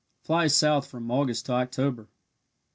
Flies south from August to October.